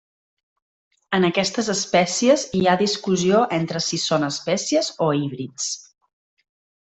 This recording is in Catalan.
En aquestes espècies hi ha discussió entre si són espècies o híbrids.